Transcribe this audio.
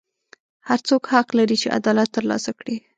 هر څوک حق لري چې عدالت ترلاسه کړي.